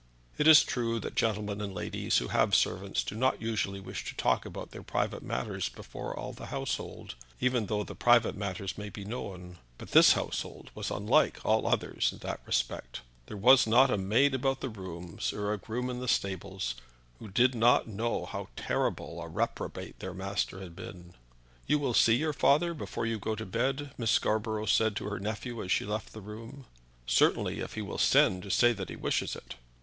It is true that gentlemen and ladies who have servants do not usually wish to talk about their private matters before all the household, even though the private matters may be known; but this household was unlike all others in that respect. There was not a housemaid about the rooms or a groom in the stables who did not know how terrible a reprobate their master had been. "You will see your father before you go to bed?" Miss Scarborough said to her nephew as she left the room. "Certainly, if he will send to say that he wishes it."